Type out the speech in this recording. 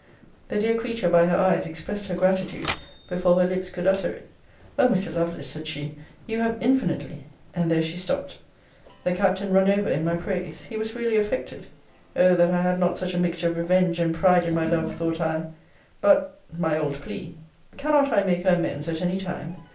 The dear creature, by her eyes, expressed her gratitude, before her lips could utter it. O Mr. Lovelace, said she you have infinitely And there she stopt. The Captain run over in my praise. He was really affected. O that I had not such a mixture of revenge and pride in my love, thought I! But, (my old plea,) cannot I make her amends at any time?